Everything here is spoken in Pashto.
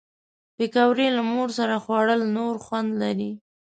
پکورې له مور سره خوړل نور خوند لري